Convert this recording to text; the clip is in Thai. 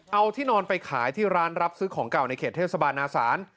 เอาที่นอนไปขายที่ร้านรับซื้อของเก่าในเขตเทศบาลนาศาล